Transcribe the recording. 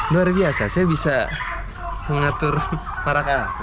luar biasa saya bisa mengatur paraca